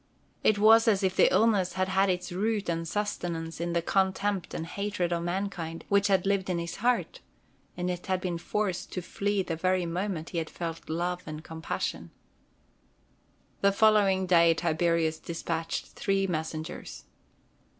It was as if the illness had had its root and sustenance in the contempt and hatred of mankind which had lived in his heart; and it had been forced to flee the very moment he had felt love and compassion. The following day Tiberius despatched three messengers.